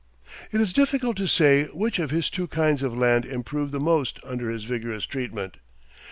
It is difficult to say which of his two kinds of land improved the most under his vigorous treatment.